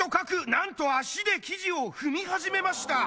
なんと足で生地を踏み始めました！